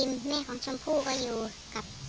แม่ของซมผู้กลับ